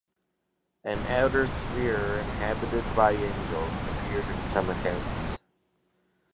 An outer sphere, inhabited by angels, appeared in some accounts.